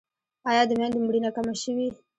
آیا د میندو مړینه کمه شوې؟